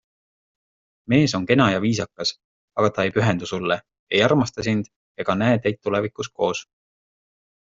Mees on kena ja viisakas, aga ta ei pühendu sulle, ei armasta sind ega näed teid tulevikus koos.